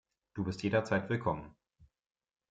Du bist jederzeit willkommen.